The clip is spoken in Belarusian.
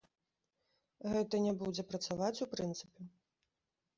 Гэта не будзе працаваць ў прынцыпе.